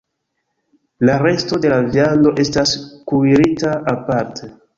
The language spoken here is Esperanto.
La resto de la viando estas kuirita aparte.